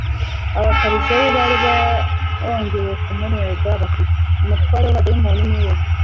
abafarisayo bari bongcye kumurega bati: «Umutware w'abadayimoni ni we